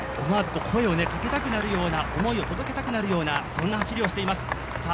思わず、声をかけたくなるような思いを届けたくなるようなそんな走りをしています。